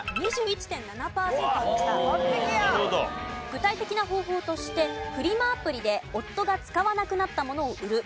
具体的な方法としてフリマアプリで夫が使わなくなったものを売る。